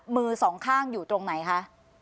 มือสองข้างอยู่ตรงไหนคะ